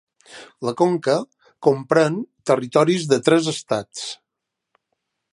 La conca comprèn territoris de tres estats: